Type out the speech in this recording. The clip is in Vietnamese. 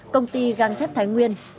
công ty găng thép thái nguyên